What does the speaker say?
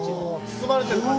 包まれてる感じ？